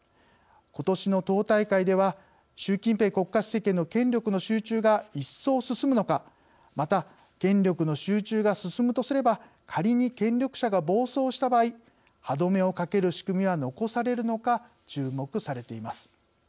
ことしの党大会では習近平国家主席への権力の集中が一層進むのかまた、権力の集中が進むとすれば仮に権力者が暴走した場合歯止めをかける仕組みは残されるのか、注目されています。